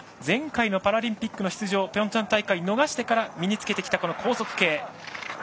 前回のパラリンピックの出場ピョンチャン大会逃してから身につけてきた高速系。